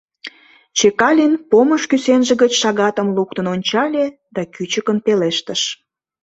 Чекалин помыш кӱсенже гыч шагатым луктын ончале да кӱчыкын пелештыш: